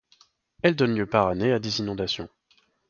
Elle donne lieu par année à des inondations.